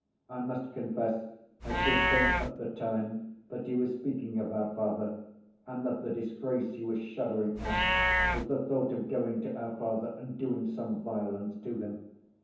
I must confess I did think at the time that he was speaking of our father, and that the disgrace he was shuddering at was the thought of going to our father and doing some violence to him.